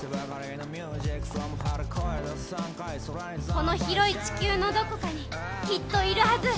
この広い地球のどこかにきっといるはず。